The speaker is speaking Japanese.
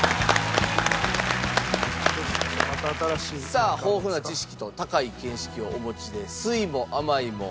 さあ豊富な知識と高い見識をお持ちで。